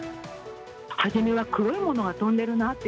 初めは黒いものが飛んでるなって。